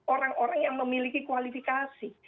orang orang yang memiliki kualifikasi